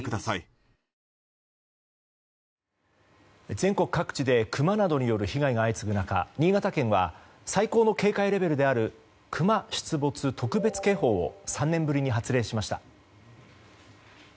全国各地でクマなどによる被害が相次ぐ中新潟県は最高の警戒レベルであるクマ出没特別警報を３年ぶりに発令しました。